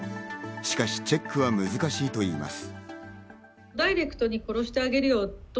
しかし、チェックは難しいといいます。